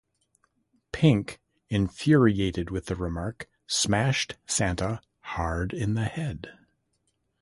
Pink, infuriated with the remark, smashed Santa hard in the head.